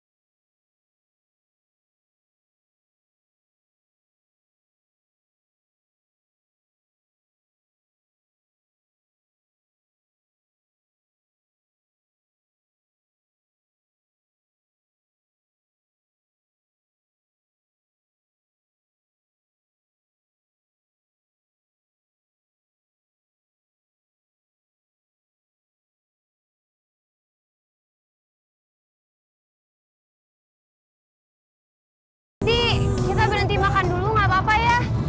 nanti kita berhenti makan dulu gak apa apa ya